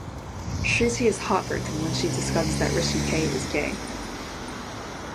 Shruti is heartbroken when she discovers that Rishi K is gay.